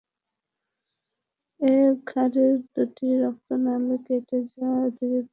এতে ঘাড়ের দুটি রক্তনালি কেটে যাওয়ায় অতিরিক্ত রক্তক্ষরণে তাঁর মৃত্যু হয়।